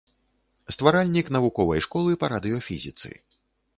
Стваральнік навуковай школы па радыёфізіцы.